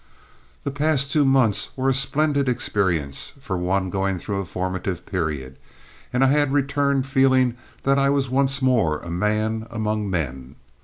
The past two months were a splendid experience for one going through a formative period, and I had returned feeling that I was once more a man among men.